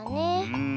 うん。